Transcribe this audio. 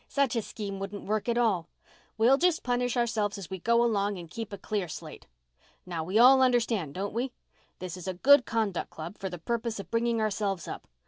"Such a scheme wouldn't work at all. We'll just punish ourselves as we go along and keep a clear slate. Now, we all understand, don't we? This is a Good Conduct Club, for the purpose of bringing ourselves up.